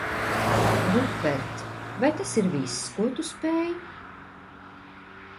Rupert, vai tas ir viss, ko tu spēj?